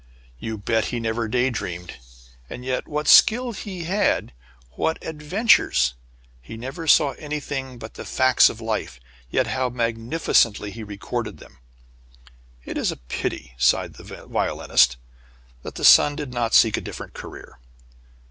You bet he never day dreamed, and yet what skill he had, and what adventures! He never saw anything but the facts of life, yet how magnificently he recorded them." "It is a pity," sighed the Violinist, "that the son did not seek a different career."